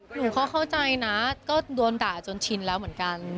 หนูก็เข้าใจนะก็โดนด่าจนชินแล้วเหมือนกัน